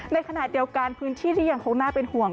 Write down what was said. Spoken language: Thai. ในขณะเดียวกันพื้นที่ที่ยังคงน่าเป็นห่วง